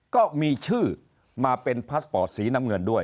ก็มีชื่อมาเป็นพาสปอร์ตสีน้ำเงินด้วย